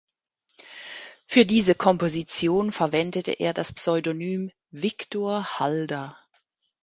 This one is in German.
Für diese Komposition verwendete er das Pseudonym "Viktor Halder".